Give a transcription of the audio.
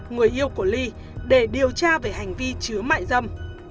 người yêu của ly để điều tra về hành vi chứa mại dâm